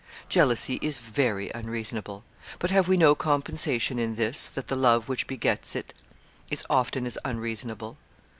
Jealousy is very unreasonable. But have we no compensation in this, that the love which begets it is often as unreasonable?